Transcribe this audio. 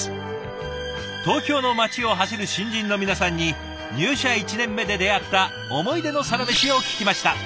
東京の街を走る新人の皆さんに入社１年目で出会ったおもいでのサラメシを聞きました。